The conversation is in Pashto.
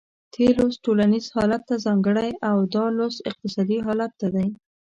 تېر لوست ټولنیز حالت ته ځانګړی و او دا لوست اقتصادي حالت ته دی.